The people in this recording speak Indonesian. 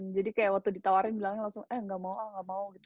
jadi kayak waktu ditawarin bilangnya langsung eh gak mau ah gak mau